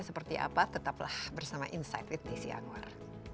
seperti apa tetaplah bersama insight with nisi angwar